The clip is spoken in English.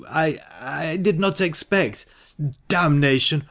I — I did not expect D — nation